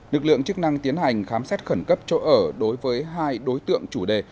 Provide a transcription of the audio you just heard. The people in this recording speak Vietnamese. lực lượng chức năng tiến hành khám xét khẩn cấp chỗ ở đối với hai đối tượng chủ đề